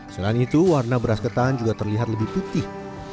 selain itu warna beras ketan juga terlihat lebih putih